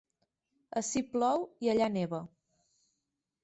Ací plou i allà neva.